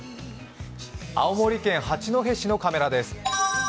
青森県八戸市のカメラです。